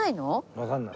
わかんない。